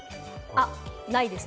ないですね！